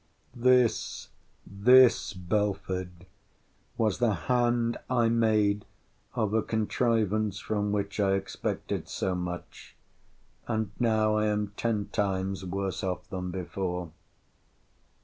This, this, Belford, was the hand I made of a contrivance from which I expected so much!—And now I am ten times worse off than before.